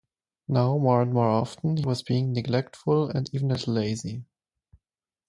Now more and more often he was being neglectful and even a little lazy